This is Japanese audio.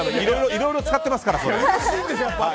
いろいろ使ってますから、それ。